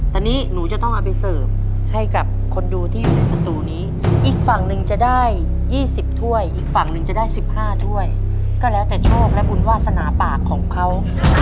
ตอนนี้หนูจะต้องเอาไปเสิร์ฟให้กับคนดูที่อยู่ในสตูนี้อีกฝั่งหนึ่งจะได้๒๐ถ้วยอีกฝั่งหนึ่งจะได้๑๕ถ้วยก็แล้วแต่โชคและบุญวาสนาปากของเขา